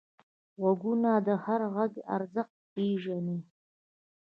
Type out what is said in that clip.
غوږونه د هر غږ ارزښت پېژني